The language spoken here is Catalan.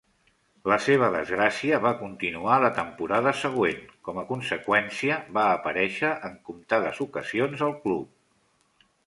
La seva desgràcia va continuar la temporada següent; com a conseqüència, va aparèixer en comptades ocasions al club.